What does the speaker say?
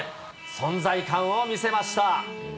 存在感を見せました。